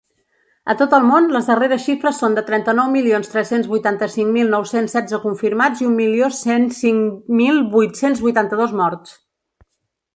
A tot el món, les darreres xifres són de trenta-nou milions tres-cents vuitanta-cinc mil nou-cents setze confirmats i un milió cent cinc mil vuit-cents vuitanta-dos morts.